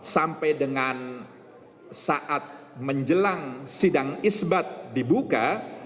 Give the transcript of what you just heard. sampai dengan saat menjelang sidang isbat dibuka